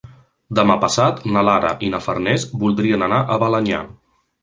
Demà passat na Lara i na Farners voldrien anar a Balenyà.